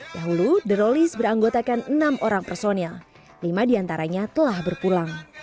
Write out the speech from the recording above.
dahulu drolis beranggotakan enam orang personil lima diantaranya telah berpulang